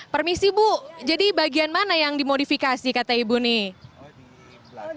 permisi bu jadi bagian mana yang dimodifikasi kata ibu nih